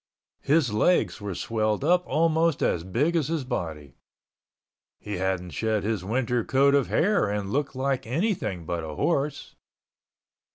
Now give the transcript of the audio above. His legs were swelled up almost as big as his body. He hadn't shed his winter coat of hair and looked like anything but a horse.